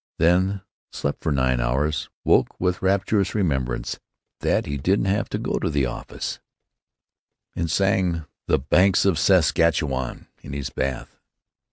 Then slept for nine hours, woke with rapturous remembrance that he didn't have to go to the office, and sang "The Banks of the Saskatchewan" in his bath.